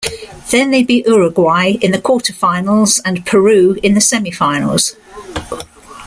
Then they beat Uruguay in the quarterfinals and Peru in the semifinals.